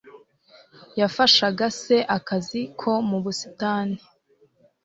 yafashaga se akazi ko mu busitani